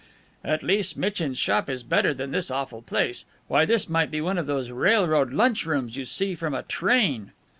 "At least Mitchin's shop is better than this awful place. Why, this might be one of those railroad lunch rooms you see from a train."